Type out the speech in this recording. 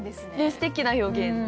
すてきな表現。